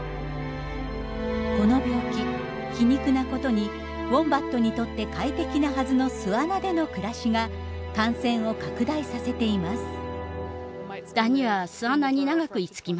この病気皮肉なことにウォンバットにとって快適なはずの巣穴での暮らしが感染を拡大させています。